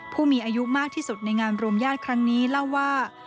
ผู้มีอายุมากที่สุดในงานรวมญาติครั้งนี้เล่าว่า